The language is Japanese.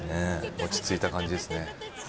落ち着いた感じですね。